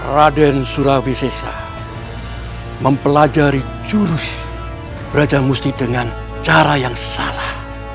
raden surawi sesa mempelajari jurus belajar musti dengan cara yang salah